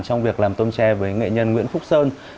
trong việc làm tôm tre với nghệ nhân nguyễn phúc sơn